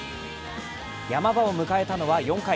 ヤマ場を迎えたのは４回。